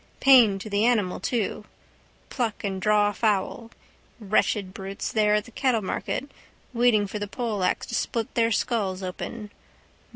Pain to the animal too. Pluck and draw fowl. Wretched brutes there at the cattlemarket waiting for the poleaxe to split their skulls open.